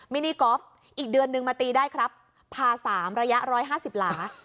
มินิกอล์ฟอีกเดือนนึงมาตีได้ครับพา๓ระยะ๑๕๐หลา